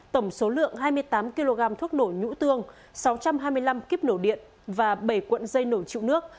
tổng số lượng hai mươi tám kg thuốc nổ nhũ tương sáu trăm hai mươi năm kíp nổ điện và bảy cuộn dây nổ trụ nước